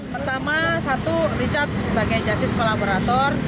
pertama satu richard sebagai justice kolaborator